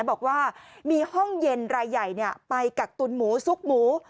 บอกว่ามีห้องเย็นรายใหญ่ไปกักตุนหมูซุกหมู